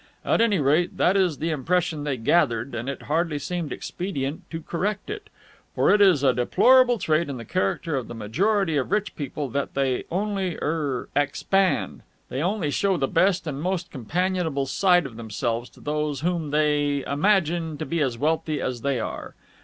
At any rate, that is the impression they gathered, and it hardly seemed expedient to correct it. For it is a deplorable trait in the character of the majority of rich people that they only er expand they only show the best and most companionable side of themselves to those whom they imagine to be as wealthy as they are.